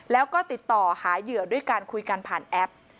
แล้วก็ติดต่อหาเหยื่อด้วยการคุยกันผ่านแอป